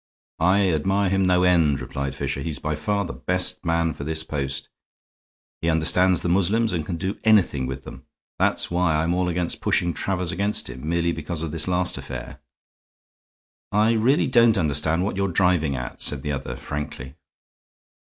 "I admire him no end," replied Fisher. "He's by far the best man for this post; he understands the Moslems and can do anything with them. That's why I'm all against pushing Travers against him, merely because of this last affair." "I really don't understand what you're driving at," said the other, frankly.